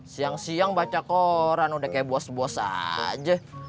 siang siang baca koran udah kayak bos bos aja